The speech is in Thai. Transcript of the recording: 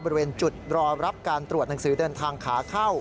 บริเวณจุดรอรับการตรวจหนังสือเดินทางขาเข้า